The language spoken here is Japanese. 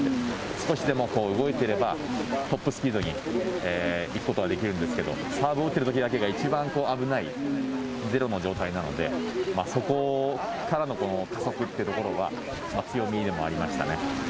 少しでも動いていれば、トップスピードに行くことができるんですけれども、サーブを打ってるときだけが、一番危ない、ゼロの状態なので、そこからの加速っていうところが強みでもありましたね。